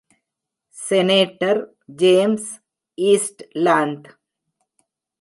Senator James ஈஸ்ட்லாந்த்.